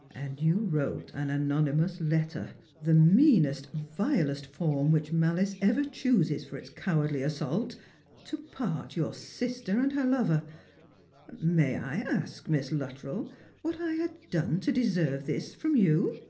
" And you wrote an anonymous letter — the meanest, vilest 3SG Slranr/ers and Pihjriuis. form which mahce ever chooses for its cowardly assault — to part your sister and her lover ! May I ask, Miss Luttrell, what I had done to deserve this from you